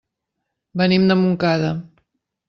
Venim de Montcada.